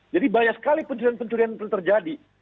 jadi banyak sekali pencurian pencurian terjadi